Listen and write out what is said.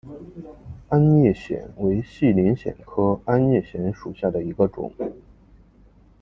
鞍叶藓为细鳞藓科鞍叶藓属下的一个种。